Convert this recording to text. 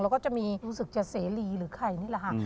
ก็จะมีรู้สึกจะเสรีหรือใครนี่แหละค่ะ